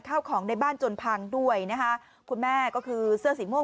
ข้าวของในบ้านจนพังด้วยนะคะคุณแม่ก็คือเสื้อสีม่วง